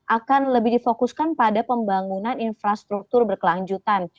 akan lebih difokuskan pada pembangunan infrastruktur berkelanjutan